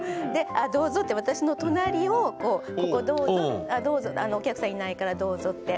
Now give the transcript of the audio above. あどうぞって私の隣をこうここどうぞお客さんいないからどうぞって。